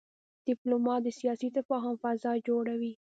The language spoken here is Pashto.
ډيپلومات د سیاسي تفاهم فضا جوړوي.